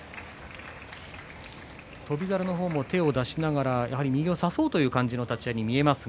翔猿の方も手を出しながら右を差そうという感じの立ち合いにも見えます。